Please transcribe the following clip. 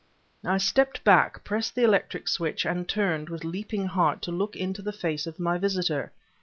I stepped back, pressed the electric switch, and turned, with leaping heart, to look into the face of my visitor.